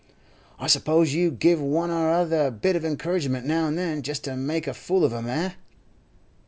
'I suppose you give one or other a bit of encouragement now and then, just to make a fool of him, eh?